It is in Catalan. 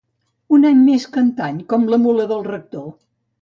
Un any més que antany, com la mula del rector.